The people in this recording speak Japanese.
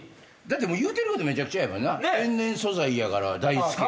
言うてることめちゃくちゃから天然素材やから大輔やから。